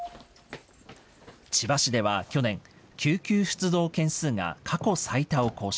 千葉市では去年、救急出動件数が過去最多を更新。